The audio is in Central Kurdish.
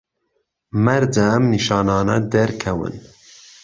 مەرجە ئەم نیشانانە دەرکەون